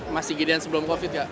masih gedean sebelum covid ya